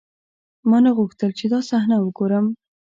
ما نه غوښتل چې دا صحنه وګورم.